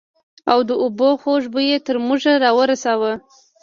او د اوبو خوږ بوى يې تر موږ رارساوه.